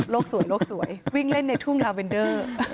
สวยโลกสวยวิ่งเล่นในทุ่งลาเวนเดอร์